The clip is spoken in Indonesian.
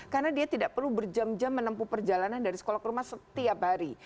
karena dia tidak perlu berjam jam menempuh perjalanan dari sekolah ke rumah setiap hari